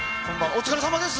お疲れさまです。